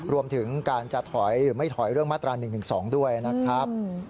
รวมถึงการจะถอยหรือไม่ถอยเรื่องมาตรา๑๑๒ด้วยนะครับ